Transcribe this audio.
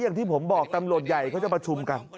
อย่างที่ผมบอกตำรวจใหญ่เขาจะประชุมกัน